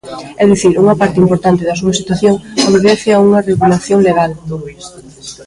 É dicir, unha parte importante da súa situación obedece a unha regulación legal.